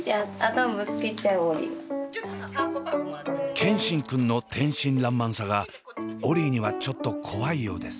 健新くんの天真爛漫さがオリィにはちょっと怖いようです。